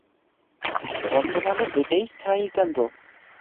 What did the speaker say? বর্তমানে এটাই স্থায়ী কেন্দ্র।